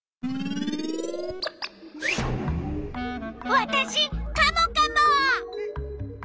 わたしカモカモ！